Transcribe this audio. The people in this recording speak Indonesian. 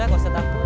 gak usah takut